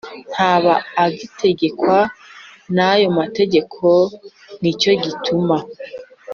ntaba agitegekwa n ayo mategeko ni cyo gituma